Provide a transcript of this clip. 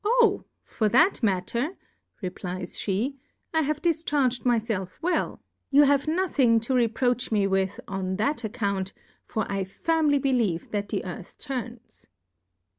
For that matter, re* flies (1)6^ I have difcharg'd my felf well, you have nothing to reproach me with on that Account, for I firmly believe that the Earth turns.